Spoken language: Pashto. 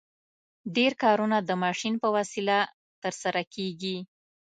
ډېر کارونه د ماشین په وسیله ترسره کیږي.